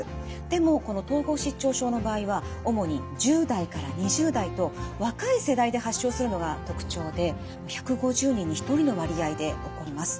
でもこの統合失調症の場合は主に１０代から２０代と若い世代で発症するのが特徴で１５０人に１人の割合で起こります。